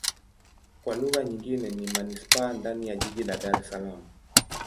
Kwa lugha nyingine ni manisipaa ndani ya jiji la Dar Es Salaam.